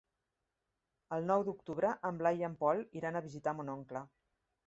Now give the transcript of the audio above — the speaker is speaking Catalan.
El nou d'octubre en Blai i en Pol iran a visitar mon oncle.